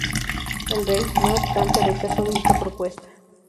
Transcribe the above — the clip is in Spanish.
El rey, no obstante, rechazó dicha propuesta.